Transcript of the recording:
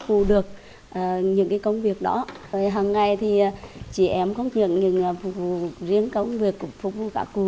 cụ được trung tâm từ tiện thiên ân đón nhận về chăm sóc các cụ